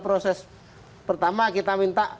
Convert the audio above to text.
proses pertama kita minta